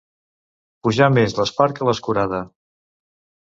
Pujar més l'espart que l'escurada.